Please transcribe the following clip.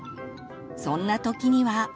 そんな時には。